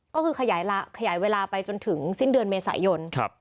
ก็คือขยายเวลาไปจนถึงสิ้นเดือนเมษายน